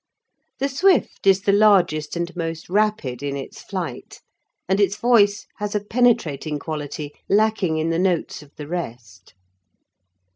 The swift is the largest and most rapid in its flight, and its voice has a penetrating quality lacking in the notes of the rest.